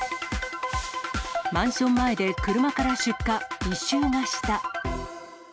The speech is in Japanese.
マンション前で車から出火、異臭がした。